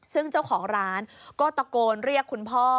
ซึ่งเจ้าของร้านก็ตะโกนเรียกคุณพ่อ